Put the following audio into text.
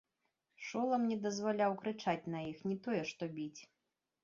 Шолам не дазваляў крычаць на іх, не тое што біць.